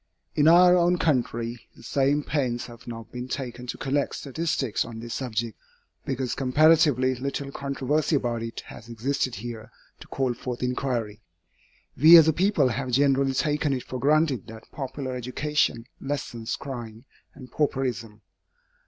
In our own country, the same pains have not been taken to collect statistics on this subject, because comparatively little controversy about it has existed here to call forth inquiry. We as a people have generally taken it for granted that popular education lessens crime and pauperism.